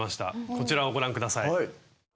こちらをご覧下さい。